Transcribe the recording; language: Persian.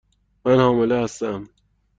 من حامله هستم.